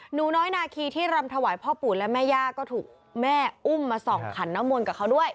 หนูน้อยนาเคียงที่รำถวายพ่อปู่และแม่ญาติก็ถูกแม่อุ้มมา๒ขันต์นมนตร์ด้วย